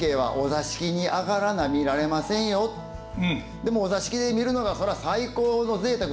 でもお座敷で見るのがそら最高のぜいたく。